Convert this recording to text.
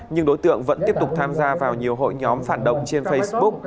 nhưng đối tượng vẫn tiếp tục tham gia vào nhiều hội nhóm phản động trên facebook